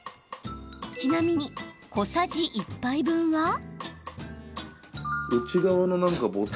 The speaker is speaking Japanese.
ちなみに、小さじ１杯分は。